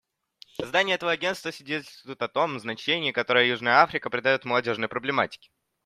Создание этого Агентства свидетельствует о том значении, которое Южная Африка придает молодежной проблематике.